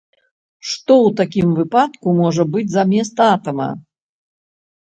Што ў такім выпадку можа быць замест атама?